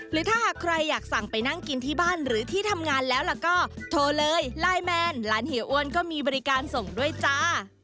หรือถ้าหากใครอยากสั่งไปนั่งกินที่บ้านหรือที่ทำงานแล้วล่ะก็โทรเลยไลน์แมนร้านเฮียอ้วนก็มีบริการส่งด้วยจ้า